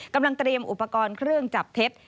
กำลังเตรียมอุปกรณ์เครื่องจับเท็จ